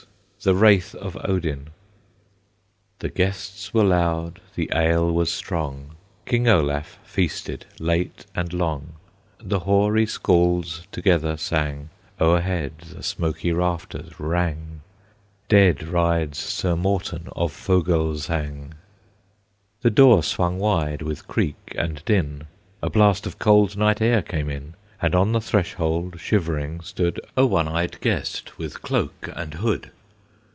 THE WRAITH OF ODIN. The guests were loud, the ale was strong, King Olaf feasted late and long; The hoary Scalds together sang; O'erhead the smoky rafters rang. Dead rides Sir Morten of Fogelsang. The door swung wide, with creak and din; A blast of cold night air came in, And on the threshold shivering stood A one eyed guest, with cloak and hood.